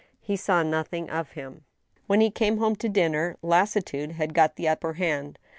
He saw nothing of him. When he came home to dinner, lassitude had got the upper hand.